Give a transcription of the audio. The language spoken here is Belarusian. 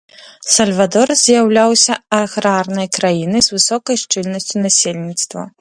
Сальвадор з'яўляўся аграрнай краінай з высокай шчыльнасцю насельніцтва.